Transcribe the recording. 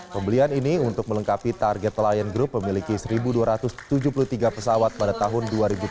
pembelian ini untuk melengkapi target lion group memiliki satu dua ratus tujuh puluh tiga pesawat pada tahun dua ribu tujuh belas